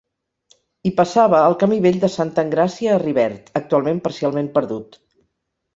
Hi passava el Camí vell de Santa Engràcia a Rivert, actualment parcialment perdut.